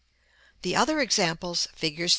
The other examples, figs.